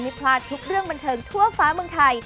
มี๗ด้วยแล้วก็เป็น๐ก็ได้